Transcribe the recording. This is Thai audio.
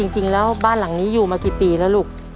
จริงแล้วบ้านหลังนี้อยู่มากี่ปีแล้วลูก